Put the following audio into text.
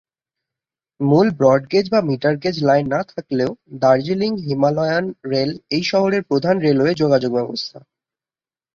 মূল broad gauge বা metre gauge line না থাকলেও দার্জিলিং হিমালয়ান রেল এই শহরের প্রধান রেলওয়ে যোগাযোগ ব্যবস্থা।